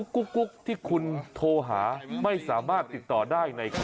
กุ๊กที่คุณโทรหาไม่สามารถติดต่อได้ใน